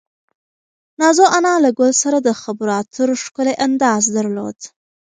نازو انا له ګل سره د خبرو اترو ښکلی انداز درلود.